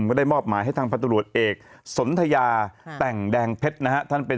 ก็ได้มอบหมายให้ทางพันตรวจเอกศนทะยาแต่งแดงเพชรนะฮะ